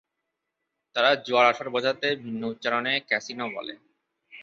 তারা জুয়ার আসর বোঝাতে ভিন্ন উচ্চারণে ক্যাসিনো বলে।